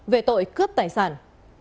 về tội cướp tài sản